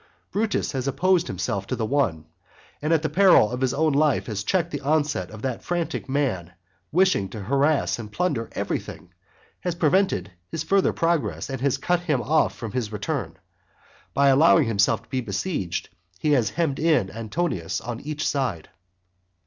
Brutus has opposed himself to the one, and at the peril of his own life has checked the onset of that frantic man wishing to harass and plunder everything, has prevented his further progress, and has cut him off from his return. By allowing himself to be besieged he has hemmed in Antonius on each side.